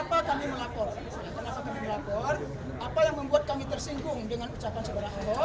pedri mengaku akan kenapa kami melapor